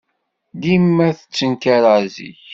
Dima ttenkareɣ zik.